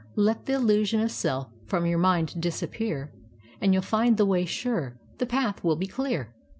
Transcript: Let th' illusion of self From your mind disappear, And you'll find the way sure; The path will be clear.'